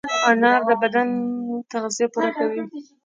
انار د بدن تغذیه پوره کوي.